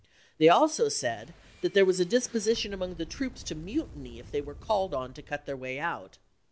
They also said that there was a dis position among the troops to mutiny if they were called on to cut their way out.